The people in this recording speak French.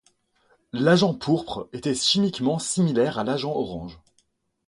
L'agent pourpre était chimiquement similaire à l'agent orange.